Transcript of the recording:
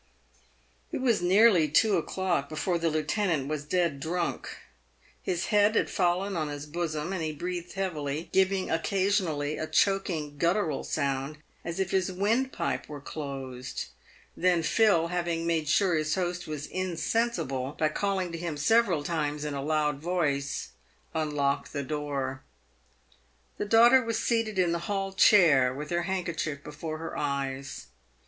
It was nearly two o'clock before the lieutenant was dead drunk. His head had fallen on his bosom, and he breathed heavily, giving oc casionally a choking, guttural sound, as if his windpipe were closed. Then Phil, having made sure his host was insensible, by calling to him several times in a loud voice, unlocked the door. The daughter was seated in the hall chair with her handkerchief before her eyes.